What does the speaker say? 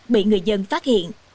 bị người dân phát hiện